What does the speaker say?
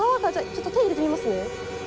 ちょっと手入れてみますね。